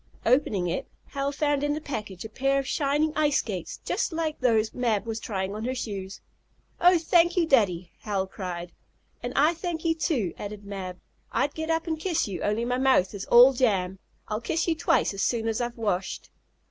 Opening it, Hal found in the package a pair of shining ice skates, just like those Mab was trying on her shoes. "Oh, thank you, Daddy!" Hal cried. "And I thank you, too!" added Mab. I'd get up and kiss you, only my mouth is all jam. I'll kiss you twice as soon as I've washed."